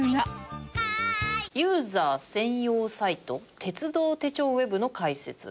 ユーザー専用サイト鉄道手帳ＷＥＢの開設。